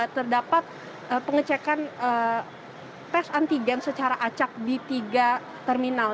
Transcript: terdapat pengecekan tes antigen secara acak di tiga terminal